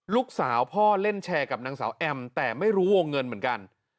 ลูกสาวพ่อเล่นแชร์กับนางสาวแอมแต่ไม่รู้วงเงินเหมือนกัน